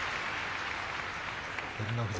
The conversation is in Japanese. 照ノ富士